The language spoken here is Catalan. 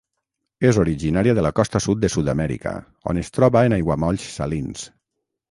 És originària de la costa sud de Sud Amèrica, on es troba en aiguamolls salins.